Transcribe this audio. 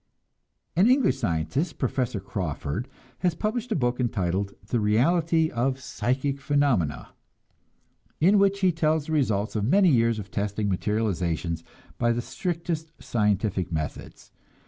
An English scientist, Professor Crawford, has published a book entitled "The Reality of Psychic Phenomena," in which he tells the results of many years of testing materializations by the strictest scientific methods.